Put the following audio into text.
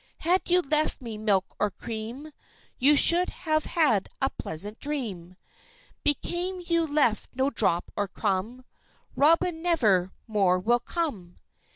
Had you left me milk or cream, You should have had a pleasant dream, Became you left no drop or crumb, Robin never more will come.